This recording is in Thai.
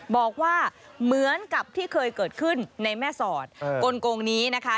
บอกว่าเหมือนกับที่เคยเกิดขึ้นในแม่สอดกลงนี้นะคะ